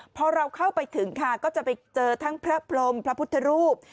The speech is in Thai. พอเราเข้าไปถึงค่ะก็จะไปเจอทั้งพระพรมพระพุทธรูป